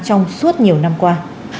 trong suốt nhiều năm qua